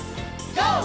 ＧＯ！